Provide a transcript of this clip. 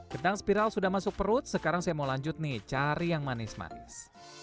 kentang spiral sudah masuk perut sekarang saya mau lanjut nih cari yang manis manis